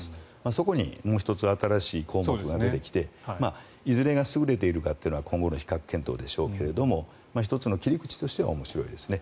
そこにもう１つ新しい項目が出てきていずれが優れているかは今後の比較検討でしょうが１つの切り口としては面白いですね。